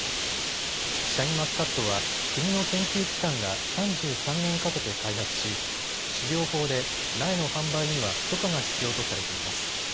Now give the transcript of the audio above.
シャインマスカットは国の研究機関が３３年かけて開発し、種苗法で苗の販売には許可が必要とされています。